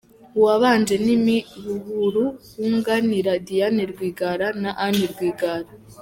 Uwabanje ni Me Buhuru wunganira Diane Rwigara na Anne Rwigara.